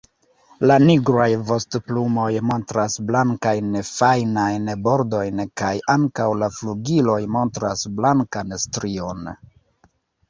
La nigraj vostoplumoj montras blankajn fajnajn bordojn kaj ankaŭ la flugiloj montras blankan strion.